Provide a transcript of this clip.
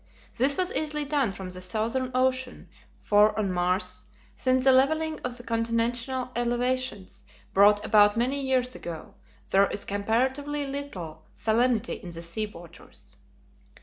This was easily done from the Southern Ocean, for on Mars, since the levelling of the continental elevations, brought about many years ago, there is comparatively little salinity in the sea waters.